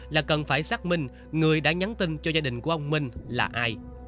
là cần phải xác minh người đã nhắn tin cho gia đình của ông minh là ai